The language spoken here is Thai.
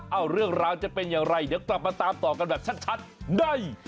เอาเรื่องราวจะเป็นอย่างไรเดี๋ยวกลับมาตามต่อกันแบบชัดได้